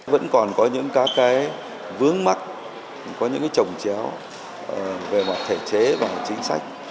vẫn còn có những các cái vướng mắt có những trồng chéo về mặt thể chế và chính sách